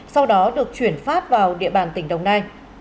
sau đó được chuyển phát vào địa bàn tỉnh đồng nai